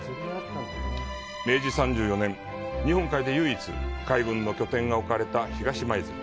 明治３４年、日本海で唯一、海軍の拠点が置かれた東舞鶴。